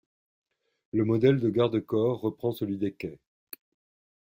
Le modèle de garde-corps reprend celui des quais.